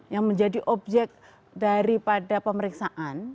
yang menjadi objek daripada pemeriksaan